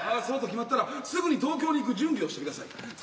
そうと決まったらすぐに東京に行く準備をしてください。